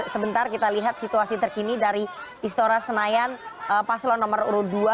sebentar kita lihat situasi terkini dari istora senayan paslon nomor urut dua